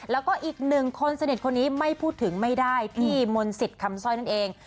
แล้วก็อีกหนึ่งคนสนิทคนนี้ไม่พูดถึงไม่ได้พี่มนต์สิทธิ์คำสร้อยนั่นเอง